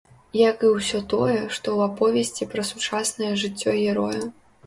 Як і ўсё тое, што ў аповесці пра сучаснае жыццё героя.